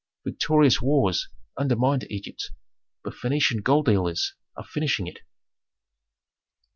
Victorious wars undermined Egypt, but Phœnician gold dealers are finishing it."